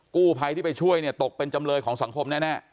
กู้ภัยที่ไปช่วยเนี่ยตกเป็นจำเลยของสังคมแน่